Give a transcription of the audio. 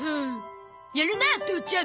やるな父ちゃん！